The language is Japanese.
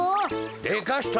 でかした！